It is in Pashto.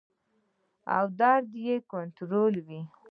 او درد به ئې کنټرول وي -